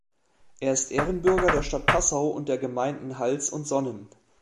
Er ist Ehrenbürger der Stadt Passau und der Gemeinden Hals und Sonnen.